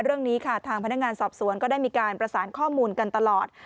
เรื่องนี้ค่ะทางพนักงานสอบสวนก็ได้มีการประสานข้อมูลกันตลอด